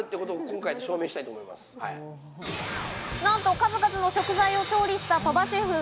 なんと数々の食材を調理した鳥羽シェフ。